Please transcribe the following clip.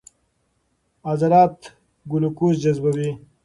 عضلات ګلوکوز جذبوي.